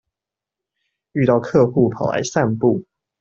遇到客戶跑來散步